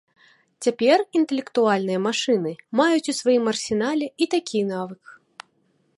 Цяпер інтэлектуальныя машыны маюць у сваім арсенале і такі навык.